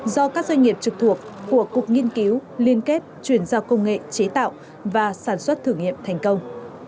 do các doanh nghiệp trực thuộc của cục nghiên cứu liên kết chuyển giao công nghệ chế tạo và sản xuất thử nghiệm thành công